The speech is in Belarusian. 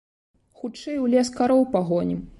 Хутчэй у лес кароў пагонім!